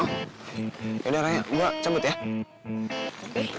oh ya udah raya gue cabut ya